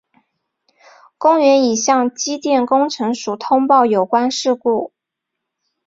公园已向机电工程署通报有关事故。